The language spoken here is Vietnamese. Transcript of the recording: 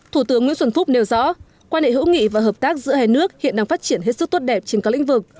thủ tướng nguyễn xuân phúc nêu rõ quan hệ hữu nghị và hợp tác giữa hai nước hiện đang phát triển hết sức tốt đẹp trên các lĩnh vực